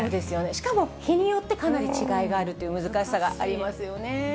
しかも日によってかなり違いがあるという難しさがありますよね。